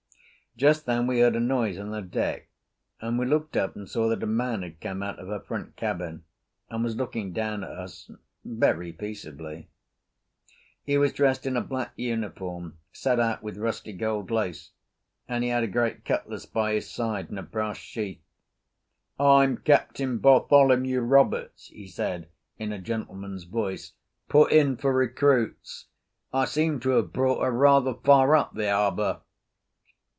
Just then we heard a noise on her deck, and we looked up and saw that a man had come out of her front cabin and was looking down at us very peaceably. He was dressed in a black uniform set out with rusty gold lace, and he had a great cutlass by his side in a brass sheath. "I'm Captain Bartholomew Roberts," he said, in a gentleman's voice, "put in for recruits. I seem to have brought her rather far up the harbour."